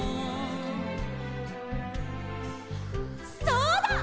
そうだ！